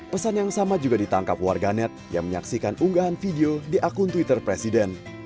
pesan yang sama juga ditangkap warganet yang menyaksikan unggahan video di akun twitter presiden